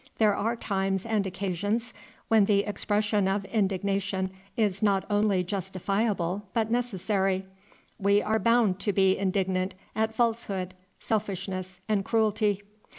There are times and occasions when the expression of indignation is not only justifiable but necessary. We are bound to be indignant at falsehood, selfishness, and cruelty.